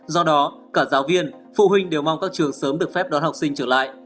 do đó cả giáo viên phụ huynh đều mong các trường sớm được phép đón học sinh trở lại